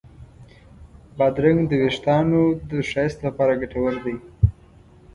بادرنګ د وېښتانو د ښایست لپاره ګټور دی.